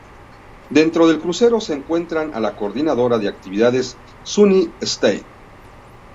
Dentro del crucero, se encuentran a la coordinadora de actividades Sunny St.